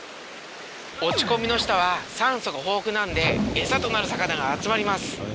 落ち込みの下は酸素が豊富なんでエサとなる魚が集まります。